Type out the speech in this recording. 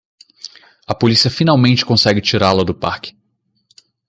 A polícia finalmente consegue tirá-lo do parque!